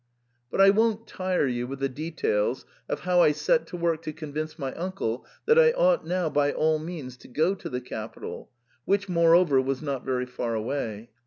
But I won't tire you with the details of how I set to work to convince my uncle that I ought now by all means to go to the capital, which, moreover, was not very far away.